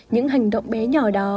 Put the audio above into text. những hành động bé nhỏ đó